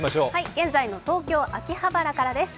現在の東京・秋葉原からです。